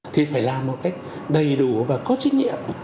thì phải làm một cách đầy đủ và có trách nhiệm